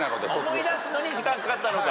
思い出すのに時間かかったのか。